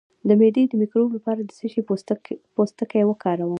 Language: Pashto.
د معدې د مکروب لپاره د څه شي پوستکی وکاروم؟